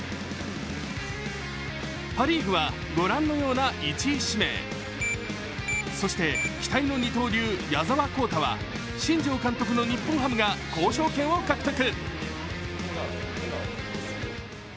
パ・リーグは、ご覧のような１位指名そして、期待の二刀流・矢澤宏太は新庄監督の日本ハムが交渉権を獲得。